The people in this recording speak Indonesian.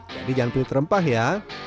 jadi jangan penuhi terempah ya